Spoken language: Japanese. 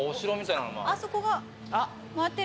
あそこが回ってる。